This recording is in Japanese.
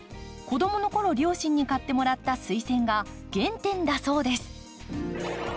子供の頃両親に買ってもらったスイセンが原点だそうです。